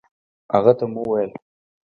هغه ته مو وويل